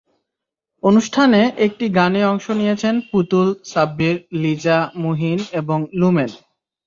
অনুষ্ঠানে একটি গানে অংশ নিয়েছেন পুতুল, সাব্বির, লিজা, মুহিন এবং লুমেন।